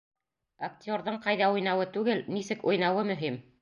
Актерҙың ҡайҙа уйнауы түгел, нисек уйнауы мөһим!